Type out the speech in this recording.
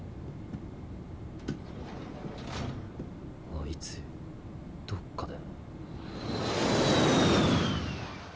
あいつどっかで。